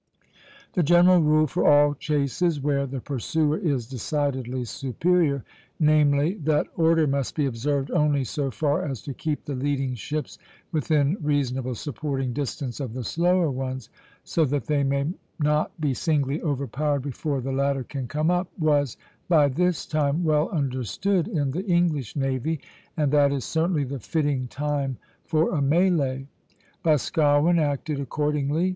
The general rule for all chases where the pursuer is decidedly superior, namely, that order must be observed only so far as to keep the leading ships within reasonable supporting distance of the slower ones, so that they may not be singly overpowered before the latter can come up, was by this time well understood in the English navy, and that is certainly the fitting time for a mélêe. Boscawen acted accordingly.